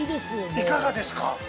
◆いかがですか。